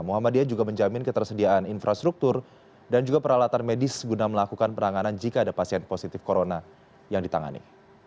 muhammadiyah juga menjamin ketersediaan infrastruktur dan juga peralatan medis guna melakukan penanganan jika ada pasien positif corona yang ditangani